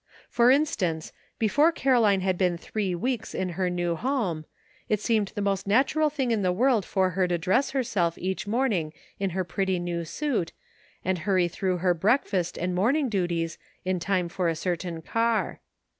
For instance, before Caroline had been three weeks in her new home, it seemed the most natural thing in the world for her to dress her self each morning in her pretty new suit, and hurry through her breakfast and morning duties in time for a certain car.